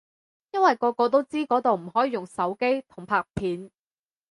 因為個個都知嗰度唔可以用手機同拍片